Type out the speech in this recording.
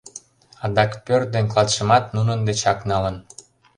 Адак пӧрт ден клатшымат нунын дечак налын...